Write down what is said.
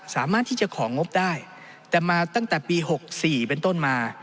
สามารถที่จะของงบได้แต่มาตั้งแต่ปี๖๔เป็นต้นมา